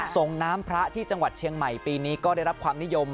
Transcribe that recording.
ส่งน้ำพระที่จังหวัดเชียงใหม่ปีนี้ก็ได้รับความนิยม